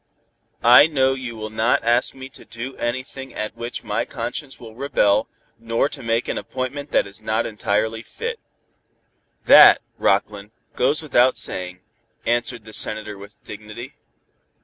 "I know you will not ask me to do anything at which my conscience will rebel, nor to make an appointment that is not entirely fit." "That, Rockland, goes without saying," answered the Senator with dignity.